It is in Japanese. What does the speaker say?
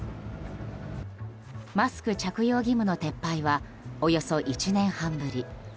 マスク着用義務の撤廃はおよそ１年半ぶり。